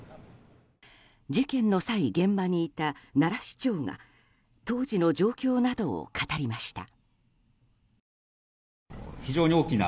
事件の際、現場にいた奈良市長が当時の状況などを語りました。